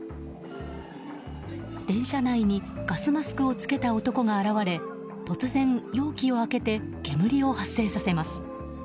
電車内にガスマスクを着けた男が現れ突然、容器を開けて煙を発生させます。